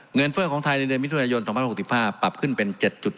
เงินเฟิร์นของไทยในเดือนวิทยาลัยยนทร์๒๐๖๕ปรับขึ้นเป็น๗๖๖